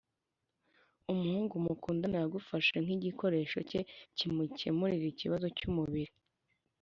umuhungu mukundana yagufashe nk’igikoresho cye kimukemurira ikibazo cy’umubiri.